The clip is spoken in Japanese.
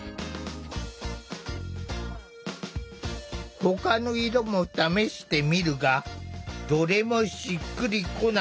ほかの色も試してみるがどれもしっくりこない。